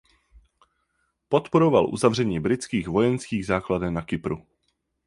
Podporoval uzavření britských vojenských základen na Kypru.